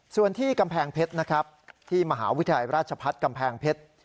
ส่วนที่กำแพงเพชรนะครับที่มหาวิทยาลัยราชพัฒน์กำแพงเพชร